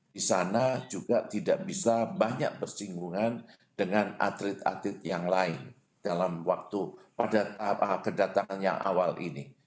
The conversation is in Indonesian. di sana juga tidak bisa banyak bersinggungan dengan atlet atlet yang lain dalam waktu pada kedatangan yang awal ini